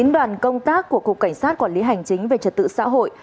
đoàn công tác của cục cảnh sát quản lý hành chính về trật tự xã hội